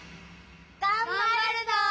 がんばるぞ！